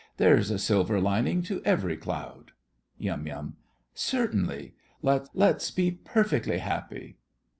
There's a silver lining to every cloud. YUM. Certainly. Let's—let's be perfectly happy!